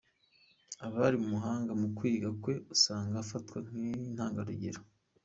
Aba ari umuhanga mu kwiga kwe usanga afatwa nk’intangarugero.